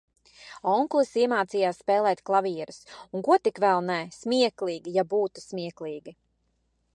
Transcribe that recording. Onkulis iemācījās spēlēt klavieres un ko tik vēl nē, smieklīgi, ja būtu smieklīgi.